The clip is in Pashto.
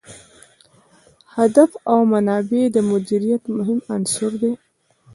هدف او منابع د مدیریت مهم عناصر دي.